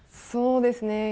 そうですね。